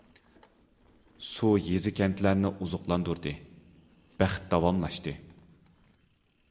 سۇ يېزا- كەنتلەرنى ئوزۇقلاندۇردى، بەخت داۋاملاشتى.